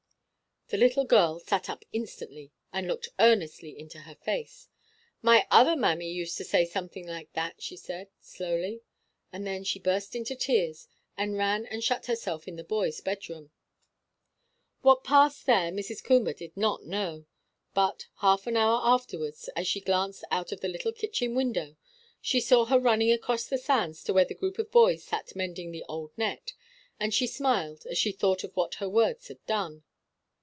The little girl sat up instantly, and looked earnestly into her face. "My other mammy used to say something like that," she said, slowly. And then she burst into tears, and ran and shut herself in the boys' bedroom. What passed there, Mrs. Coomber did not know; but, half an hour afterwards, as she glanced out of the little kitchen window, she saw her running across the sands to where the group of boys sat mending the old net; and she smiled as she thought of what her words had done.